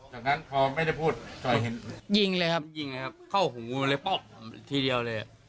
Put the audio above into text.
จากนั้นพอยิงสวนไปแล้ว